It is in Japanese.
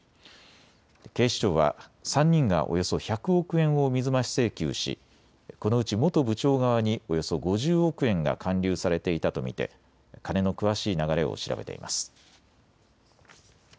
警視庁は３人がおよそ１００億円を水増し請求しこのうち元部長側におよそ５０億円が環流されていたと見て金の詳しい流れを調べています。